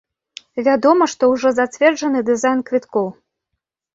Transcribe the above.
Вядома, што ўжо зацверджаны дызайн квіткоў.